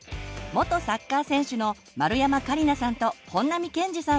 元サッカー選手の丸山桂里奈さんと本並健治さん